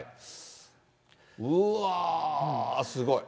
うわー、すごい。